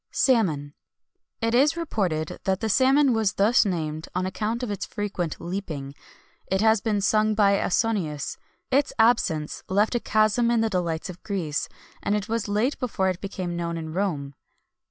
SALMON. It is reported that the salmon was thus named on account of its frequent leaping.[XXI 171] It has been sung by Ausonius.[XXI 172] Its absence left a chasm in the delights of Greece, and it was late before it became known in Rome.